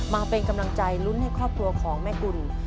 มาเป็นกำลังใจลุ้นให้ครอบครัวของแม่กุล